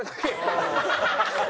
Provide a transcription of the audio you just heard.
ハハハハ！